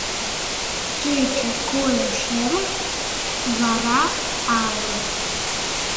Кече койо шемын, вара — алын.